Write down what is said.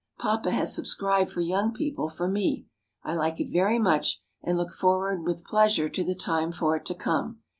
Papa has subscribed for Young People for me. I like it very much, and look forward with pleasure to the time for it to come.